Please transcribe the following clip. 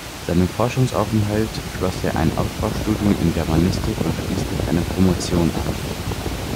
Seinem Forschungsaufenthalt schloss er ein Aufbaustudium in Germanistik und schließlich eine Promotion an.